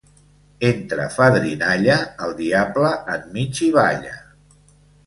Entre fadrinalla, el diable enmig hi balla.